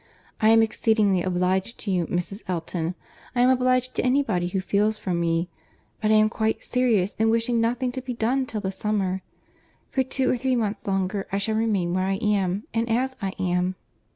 I am exceedingly obliged to you, Mrs. Elton, I am obliged to any body who feels for me, but I am quite serious in wishing nothing to be done till the summer. For two or three months longer I shall remain where I am, and as I am."